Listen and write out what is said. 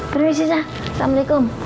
permisi shay assalamualaikum